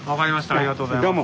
ありがとうございます。